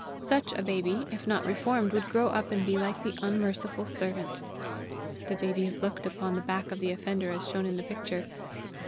Such a baby, if not reformed, would grow up and be like the Unmerciful Servant. The babies looked upon the back of the offender as shown in the picture.